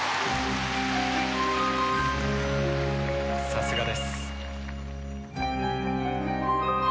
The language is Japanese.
さすがです。